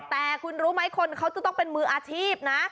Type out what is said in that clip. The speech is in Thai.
แต่คุณรู้ไหมคนเขาจะต้องเป็นมืออาชีพนะ